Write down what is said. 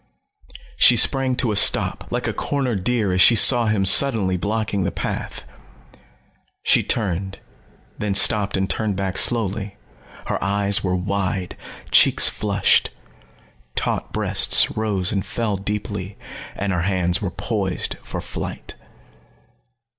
She sprang to a stop like a cornered deer as she saw him suddenly blocking the path. She turned, then stopped and turned back slowly. Her eyes were wide, cheeks flushed. Taut breasts rose and fell deeply, and her hands were poised for flight.